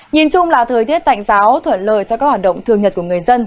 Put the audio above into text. nhìn chung là thời tiết tạnh giáo thuận lời cho các hoạt động thường nhật của người dân